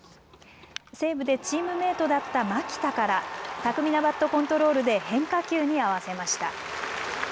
西武でチームメートだった牧田から巧みなバットコントロールで変化球に合わせました。